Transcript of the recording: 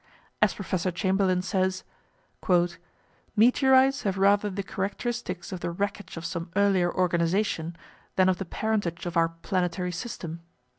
As Professor Chamberlin says, "meteorites have rather the characteristics of the wreckage of some earlier organisation than of the parentage of our planetary system."